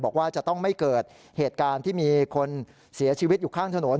บอกว่าจะต้องไม่เกิดเหตุการณ์ที่มีคนเสียชีวิตอยู่ข้างถนน